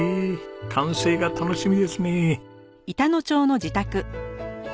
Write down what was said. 完成が楽しみですね。